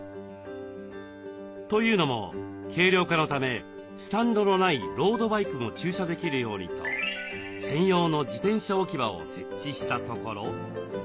というのも軽量化のためスタンドのないロードバイクも駐車できるようにと専用の自転車置き場を設置したところ。